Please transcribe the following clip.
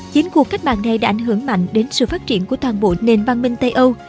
chính cuộc cách mạng này đã ảnh hưởng mạnh đến sự phát triển của toàn bộ nền văn minh tây âu